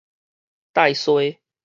帶衰